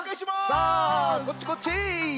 さあこっちこっち。